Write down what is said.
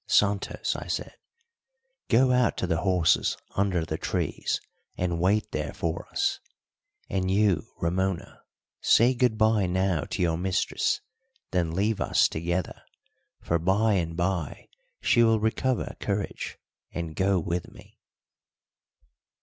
"Santos," I said, "go out to the horses under the trees and wait there for us; and you, Ramona, say good bye now to your mistress, then leave us together; for by and by she will recover courage and go with me."